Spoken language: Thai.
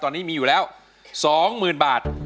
ตอนนี้มีอยู่แล้ว๒๐๐๐บาท